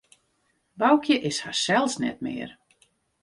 Boukje is harsels net mear.